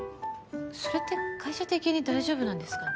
それって会社的に大丈夫なんですか？